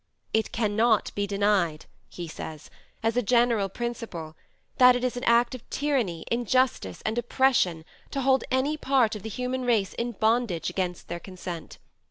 "It cannot be denied," he says, "as a general principle, that it is an act of tyranny, injustice, and oppression, to hold any part of the human race in bondage against their consent....